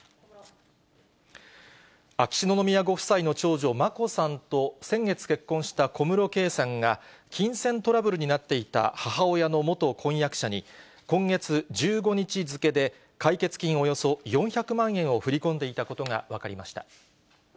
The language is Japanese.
秋篠宮ご夫妻の長女、眞子さんと、先月結婚した小室圭さんが、金銭トラブルになっていた母親の元婚約者に、今月１５日付で、解決金およそ４００万円を振り込んでいたことが分かりました。